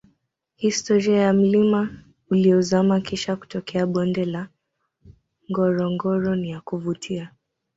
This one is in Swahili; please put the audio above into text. historia ya mlima uliozama Kisha kutokea bonde la ngorongoro ni ya kuvutia